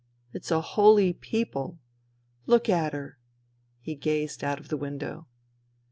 It's a holy people. Look at her." He gazed out of the window.